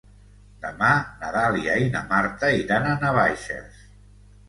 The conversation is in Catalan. Demà na Dàlia i na Marta iran a Navaixes.